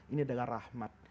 ini adalah rahmat